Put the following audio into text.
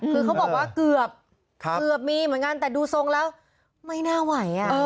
คือเขาบอกว่าเกือบมีเหมือนกันแต่ดูทรงแล้วไม่น่าไหว